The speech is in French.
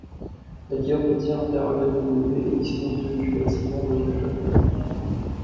La gare routière interurbaine de Beauvais est distante de du bâtiment voyageurs.